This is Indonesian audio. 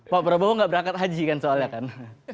pak prabowo nggak berangkat haji kan soalnya kan